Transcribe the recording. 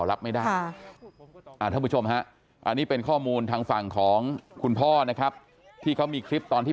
รับไม่ได้ท่านผู้ชมฮะอันนี้เป็นข้อมูลทางฝั่งของคุณพ่อนะครับที่เขามีคลิปตอนที่